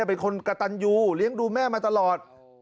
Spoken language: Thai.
เป็นคนกระตันยูเลี้ยงดูแม่มาตลอด